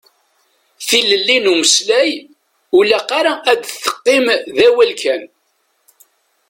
Tilelli n umeslay, ur ilaq ara ad teqqim d awal kan.